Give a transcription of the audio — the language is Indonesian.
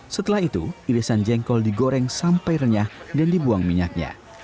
setelah itu irisan jengkol digoreng sampai renyah dan dibuang minyaknya